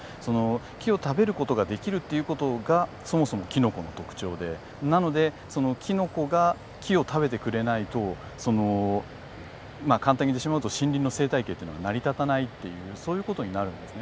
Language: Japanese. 木を食べる事ができるっていう事がそもそもキノコの特徴でなのでキノコが木を食べてくれないとまあ簡単に言ってしまうと森林の生態系っていうのが成り立たないっていうそういう事になるんですね。